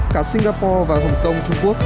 cả singapore và hồng kông trung quốc